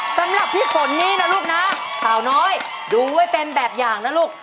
สำหรับพี่ฝนนี้นะลูกนะสาวน้อยดูไว้เป็นแบบอย่างนะลูก